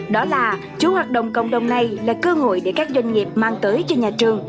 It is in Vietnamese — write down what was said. đó là chú hoạt động cộng đồng này là cơ hội để các doanh nghiệp mang tới cho nhà trường